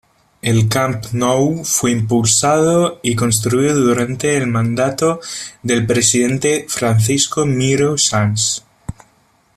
El Camp Nou fue impulsado y construido durante el mandato del presidente Francisco Miró-Sans.